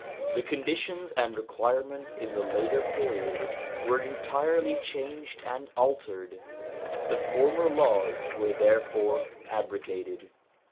The conditions and requirements in the later period were entirely changed and altered. The former laws were therefore abrogated.